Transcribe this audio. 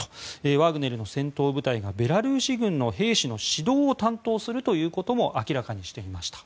ワグネルの戦闘部隊がベラルーシ軍の兵士の指導を担当するということも明らかにしていました。